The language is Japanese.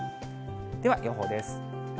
では、予報です。